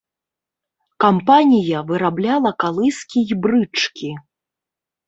Кампанія вырабляла калыскі і брычкі.